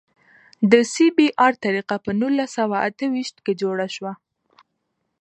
د سی بي ار طریقه په نولس سوه اته ویشت کې جوړه شوه